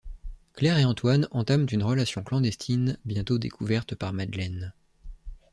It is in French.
Claire et Antoine entament une relation clandestine bientôt découverte par Madeleine.